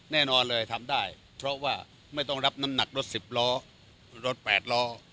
แน่นอนเลยทำได้เพราะว่าไม่ต้องรับน้ำหนักรถ๑๐ล้อรถ๘ล้อ